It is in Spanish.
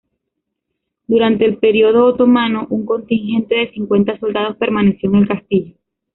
Durante el periodo otomano, un contingente de cincuenta soldados permaneció en el castillo.